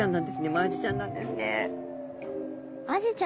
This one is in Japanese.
マアジちゃんなんですね。